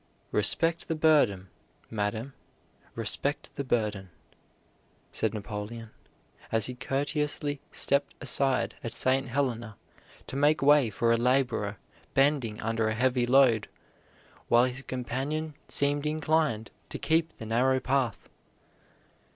"Respect the burden, madame, respect the burden," said Napoleon, as he courteously stepped aside at St. Helena to make way for a laborer bending under a heavy load, while his companion seemed inclined to keep the narrow path.